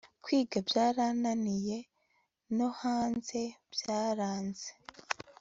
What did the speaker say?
kwiga byarananiye nohanze byaranze